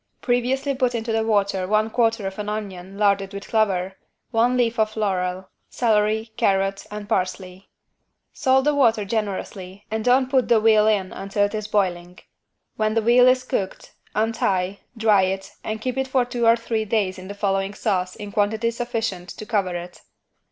Previously put into the water one quarter of an onion larded with clover, one leaf of laurel, celery, carrot and parsley. Salt the water generously and don't put the veal in until it is boiling. When the veal is cooked, untie, dry it and keep it for two or three days in the following sauce in quantity sufficient to cover it.